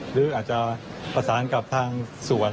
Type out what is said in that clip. หรืออาจจะประสานกับทางสวน